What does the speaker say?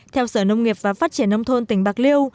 theo sở nông nghiệp và phát triển nông thôn tỉnh bạc liêu